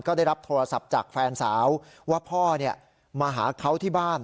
ก็ได้รับโทรศัพท์จากแฟนสาวว่าพ่อมาหาเขาที่บ้าน